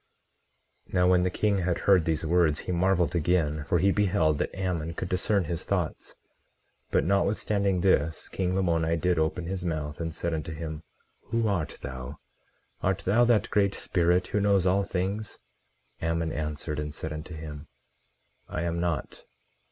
18:18 Now when the king had heard these words, he marveled again, for he beheld that Ammon could discern his thoughts; but notwithstanding this, king Lamoni did open his mouth, and said unto him: Who art thou? Art thou that Great Spirit, who knows all things? 18:19 Ammon answered and said unto him: I am not.